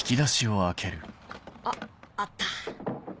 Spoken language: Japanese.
あっあった。